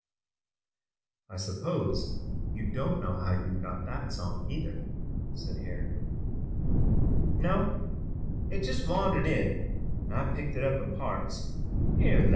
"I suppose you don't know how you got that song, either," said Harry. "No, it just wandered in an' I've picked it up in parts, here an' thar.